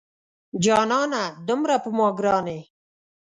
جانانه دومره په ما ګران یې